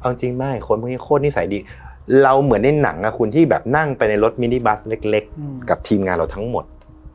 เอาจริงไม่คนพวกนี้โคตรนิสัยดีเราเหมือนในหนังนะคุณที่แบบนั่งไปในรถมินิบัสเล็กกับทีมงานเราทั้งหมด